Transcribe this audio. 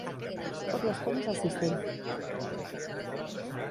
Fot les pomes al cistell.